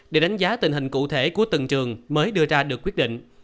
để đánh giá tình hình cụ thể của từng trường mới đưa ra được quyết định